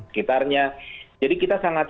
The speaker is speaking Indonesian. sekitarnya jadi kita sangat